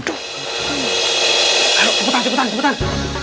aduh cepetan cepetan